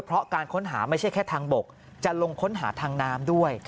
เพราะการค้นหาไม่ใช่แค่ทางบกจะลงค้นหาทางน้ำด้วย